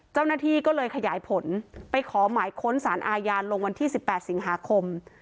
เจ้าหน้าที่ก็เลยขยายผลไปขอหมายค้นสารอาญาลงวันที่๑๘สิงหาคม